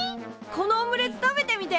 このオムレツ食べてみて！